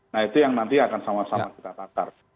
nah itu yang nanti akan sama sama kita tatar